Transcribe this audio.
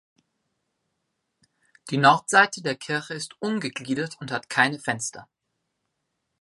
Die Nordseite der Kirche ist ungegliedert und hat keine Fenster.